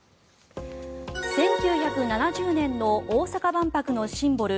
１９７０年の大阪万博のシンボル